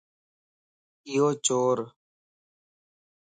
ايو چورَ